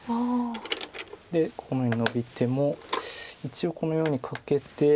でこのようにノビても一応このようにカケて。